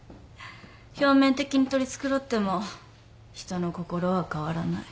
表面的に取り繕っても人の心は変わらない。